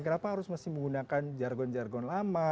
kenapa harus masih menggunakan jargon jargon lama